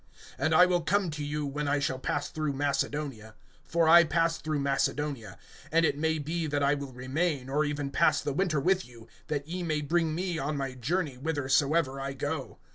(5)And I will come to you, when I shall pass through Macedonia. For I pass through Macedonia; (6)and it may be that I will remain, or even pass the winter with you, that ye may bring me on my journey whithersoever I go.